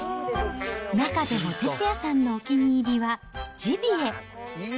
中でも哲也さんのお気に入りはジビエ。